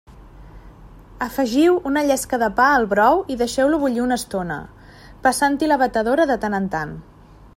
Afegiu una llesca de pa al brou i deixeu-lo bullir una estona, passant-hi la batedora de tant en tant.